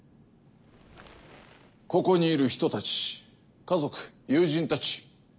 ここにいる人たち家族友人たち。